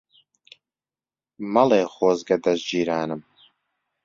مەڵێ خۆزگە دەزگیرانم